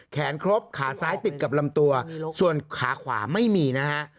ครบขาซ้ายติดกับลำตัวส่วนขาขวาไม่มีนะฮะ